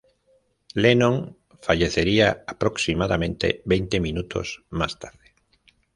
Lennon fallecería aproximadamente veinte minutos más tarde.